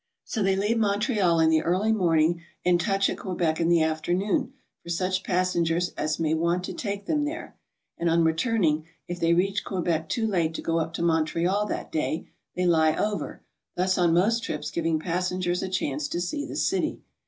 So they leave Montreal in the early morning and touch at Que bec in the afternoon for such passengers as may want to take them there; and on returning, if they reach Quebec too late to go up to Montreal that day, they lie over, thus on most trips giving passengers a chance to see the city.